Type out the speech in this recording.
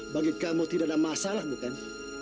bagi kamu tidak ada masalah bukan